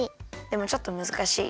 でもちょっとむずかしい？